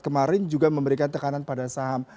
kemarin juga memberikan tekanan pada saham